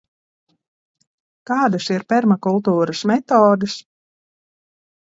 Kādas ir permakultūras metodes?